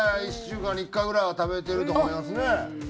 １週間に１回ぐらいは食べてると思いますね。